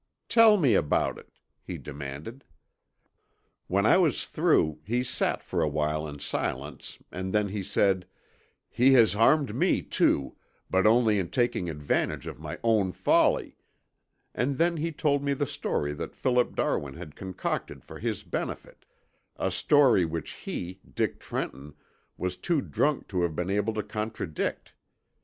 "'Tell me about it,' he demanded. "When I was through he sat for a while in silence and then he said, 'He has harmed me, too, but only in taking advantage of my own folly,' and then he told me the story that Philip Darwin had concocted for his benefit, a story which he, Dick Trenton, was too drunk to have been able to contradict.